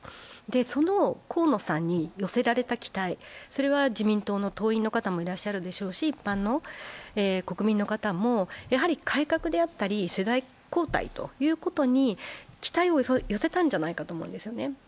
その河野さんに寄せられた期待、それは自民党の党員の方もいらっしゃるでしょうし、一般の国民の方も改革であったり世代交代ということに期待を寄せたんじゃないかと思うんですよね。